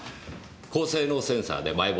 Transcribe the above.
高性能センサーで埋没